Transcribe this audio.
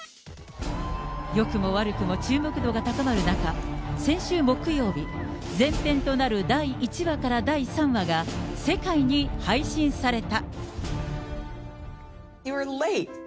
よくも悪くも注目度が高まる中、先週木曜日、前編となる第１話から第３話が世界に配信された。